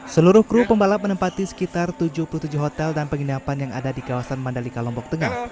seluruh kru pembalap menempati sekitar tujuh puluh tujuh hotel dan penginapan yang ada di kawasan mandalika lombok tengah